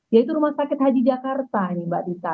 yaitu rumah sakit haji jakarta ini mbak dita